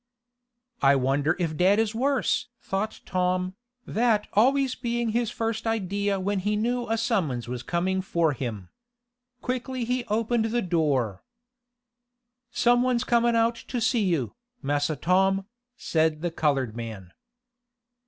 "I wonder if dad is worse?" thought Tom, that always being his first idea when he knew a summons was coming for him. Quickly be opened the door. "Some one's comin' out to see you, Massa Tom," said the colored man.